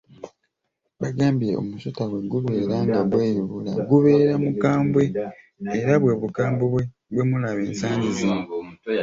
Bagambye omusota bwe gubeera nga gweyubula gubeera mukambwe era bwe bukambwe bwe mulaba ensangi zino.